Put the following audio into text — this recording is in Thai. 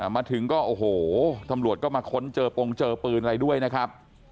มาถึงก็โอ้โหตำรวจก็มาค้นเจอปงเจอปืนอะไรด้วยนะครับ